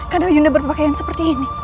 karena yunda berpakaian seperti ini